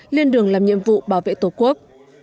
lên đường làm nhiệm vụ bảo vệ tổ quốc